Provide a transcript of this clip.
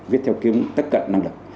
viết theo kiếm tất cả năng lực